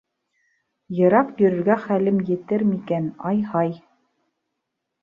— Йыраҡ йөрөргә хәлем етер микән, ай-һай...